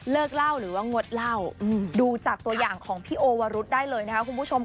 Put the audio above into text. เล่าหรือว่างดเล่าดูจากตัวอย่างของพี่โอวรุษได้เลยนะคะคุณผู้ชม